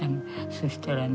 そしたらね